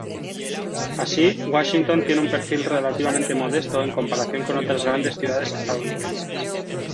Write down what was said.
Así, Washington tiene un perfil relativamente modesto en comparación con otras grandes ciudades estadounidenses.